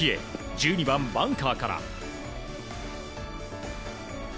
１２番、バンカーから。